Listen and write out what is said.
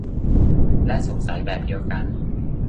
และสงสัยแบบเดียวกัน